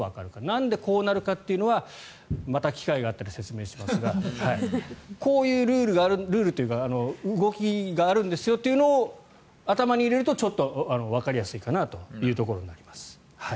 なんでこうなるかというのはまた機会があったら説明しますがこういうルールというか動きがあるんですよというのを頭に入れるとちょっとわかりやすいかなというところになります。